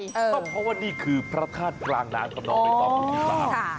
เพราะว่านี่คือพระทาสกลางน้ำตำนอกไปตอนนี้เลยค่ะ